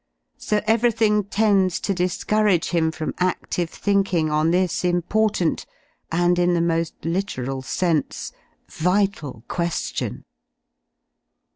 So everything tends to discourage him from adive thinking on this important and, in the mo^ literal sense, vital que^ion.